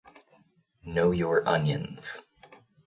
Know your onions.